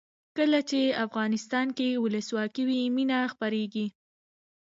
کله چې افغانستان کې ولسواکي وي مینه خپریږي.